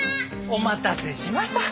お待たせしました。